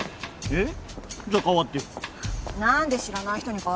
えっ？